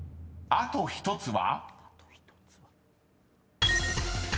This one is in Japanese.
「あと１つは」？